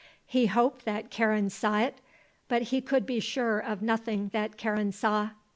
He hoped that Karen saw it. But he could be sure of nothing that Karen saw.